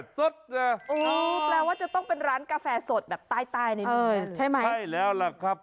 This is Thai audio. ใช่แล้วล่ะครับ